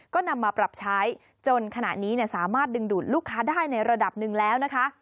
ก็นำมาปรับใช้จนขณะนี้สามารถดึงดูดลูกค้าได้ในระดับหนึ่งแล้วนะคะ